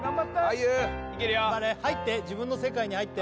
ａｙｕ入って自分の世界に入って・